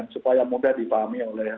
supaya mudah dipahami oleh